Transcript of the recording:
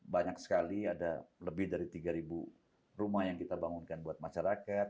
banyak sekali ada lebih dari tiga rumah yang kita bangunkan buat masyarakat